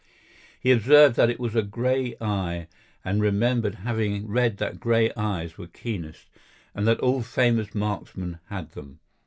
He observed that it was a gray eye and remembered having read that gray eyes were keenest, and that all famous marksmen had them.